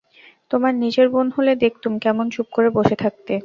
তোমার নিজের বোন হলে দেখতুম কেমন চুপ করে বসে থাকতে!